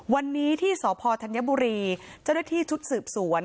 วันนี้ที่สพธัญบุรีเจ้าหน้าที่ชุดสืบสวน